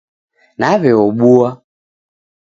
Naw'eobua